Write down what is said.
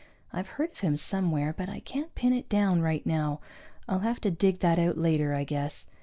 I've heard of him somewhere, but I can't pin it down right now. I'll have to dig that out later, I guess.